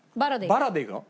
バラでいくの？